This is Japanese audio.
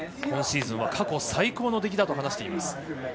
今シーズンは過去最高の出来だと話しています。